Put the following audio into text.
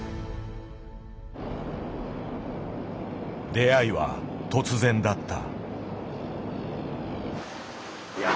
出会いは突然だった。